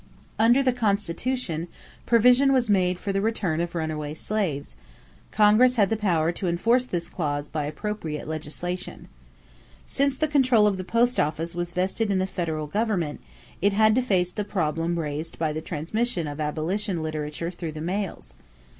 Under the Constitution, provision was made for the return of runaway slaves; Congress had the power to enforce this clause by appropriate legislation. Since the control of the post office was vested in the federal government, it had to face the problem raised by the transmission of abolition literature through the mails.